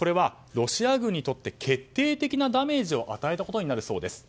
ロシア軍にとって決定的なダメージを与えたことになるそうです。